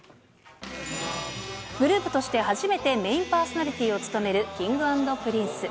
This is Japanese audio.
グループとして初めてメインパーソナリティーを務めるＫｉｎｇ＆Ｐｒｉｎｃｅ。